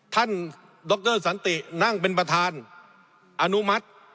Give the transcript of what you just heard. ดรสันตินั่งเป็นประธานอนุมัติ